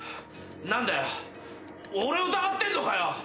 何だよ俺を疑ってんのかよ！